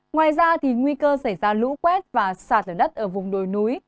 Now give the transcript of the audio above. ngoài ra nguy cơ xảy ra lũ quét và sạt lở đất ở vùng đồi núi